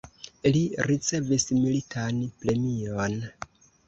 Li ricevis militan premion.